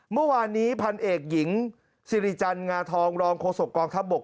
เมื่อวานนี้พันเอกหญิงสิริจันทร์งาทองรองโฆษกองทัพบก